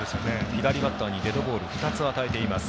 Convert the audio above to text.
左バッターにデッドボール２つ与えています。